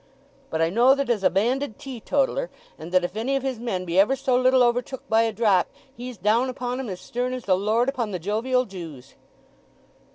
"But I know that 'a's a banded teetotaller, and that if any of his men be ever so little overtook by a drop he's down upon 'em as stern as the Lord upon the jovial Jews."